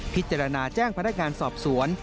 พิจารณาแจ้งพนักงานสอบสวน